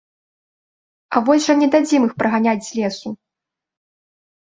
А вось жа не дадзім іх праганяць з лесу.